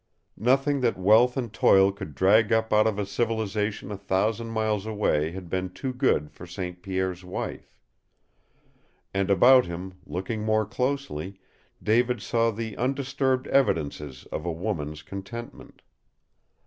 Nothing that wealth and toil could drag up out of a civilization a thousand miles away had been too good for St. Pierre's wife. And about him, looking more closely, David saw the undisturbed evidences of a woman's contentment.